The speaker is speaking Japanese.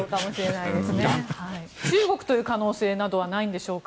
中国という可能性などはないんでしょうか？